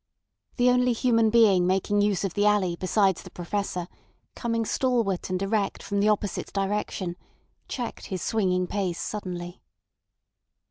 The only human being making use of the alley besides the Professor, coming stalwart and erect from the opposite direction, checked his swinging pace suddenly.